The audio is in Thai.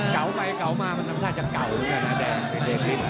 เก๋าไปเก๋ามามันทำท่าจะเก๋าแดง